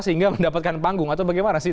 sehingga mendapatkan panggung atau bagaimana sih